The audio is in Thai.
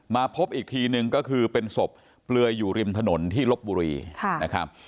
พบอีกทีนึงก็คือเป็นศพเปลือยอยู่ริมถนนที่ลบบุรีนะครับ